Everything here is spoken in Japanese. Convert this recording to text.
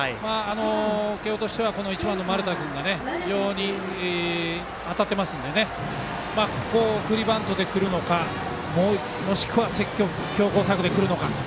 慶応としては１番の丸田君が非常に当たってますのでここを送りバントでくるのかもしくは強攻策でくるのか。